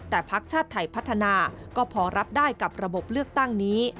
แต่พักชาติไทยพัฒนาก็พอรับได้กับระบบเลือกตั้งนี้